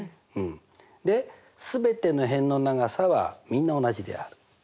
ですべての辺の長さはみんな同じである。